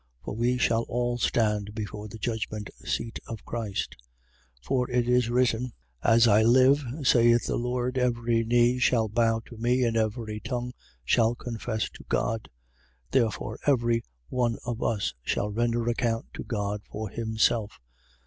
For we shall all stand before the judgment seat of Christ. 14:11. For it is written: As I live, saith the Lord, every knee shall bow to me and every tongue shall confess to God. 14:12. Therefore every one of us shall render account to God for himself.